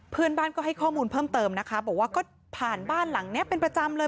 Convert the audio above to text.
เพื่อนบ้านก็ให้ข้อมูลเพิ่มเติมนะคะบอกว่าก็ผ่านบ้านหลังนี้เป็นประจำเลย